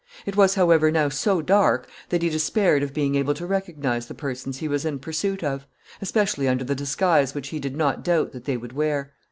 It was, however, now so dark that he despaired of being able to recognize the persons he was in pursuit of, especially under the disguise which he did not doubt that they would wear.